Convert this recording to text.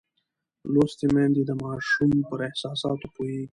لوستې میندې د ماشوم پر احساساتو پوهېږي.